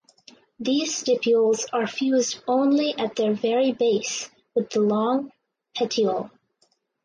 These stipules are fused only at their very base with the long petiole.